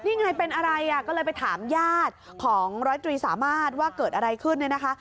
นี่ไงเป็นอะไรอ่ะก็เลยไปถามญาติของร้อยตรีสามารถว่าเกิดอะไรขึ้นเนี่ยนะคะ